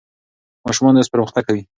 ماشومان اوس پرمختګ کوي.